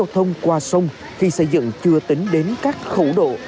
các giao thông qua sông khi xây dựng chưa tính đến các khẩu độ